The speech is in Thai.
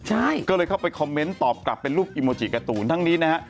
ใช่ก็เลยเข้าไปคอมเมนต์ตอบกลับเป็นรูปอิโมจิการ์ตูนทั้งนี้นะฮะ